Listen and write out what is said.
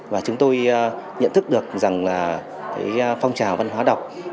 và chúng tôi nhận thức được rằng là phong trào văn hóa đọc